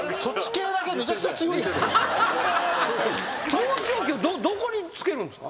盗聴器をどこに付けるんですか？